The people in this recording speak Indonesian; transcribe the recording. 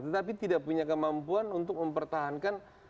tetapi tidak punya kemampuan untuk mempertahankan